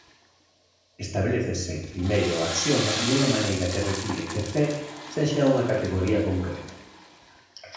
Establécese primeiro o axioma dunha maneira que require que C sexa unha categoría concreta.